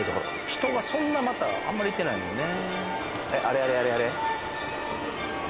人がそんなまたあんまりいてないのよね